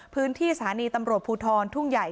พื้นที่สถานีตำรวจภูทรทุ่งใหญ่